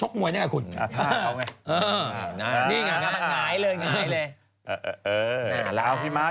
โอเคอะน่ารักมาก